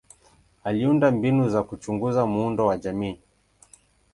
Aliunda mbinu za kuchunguza muundo wa jamii.